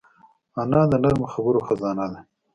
انا د نرمو خبرو خزانه ده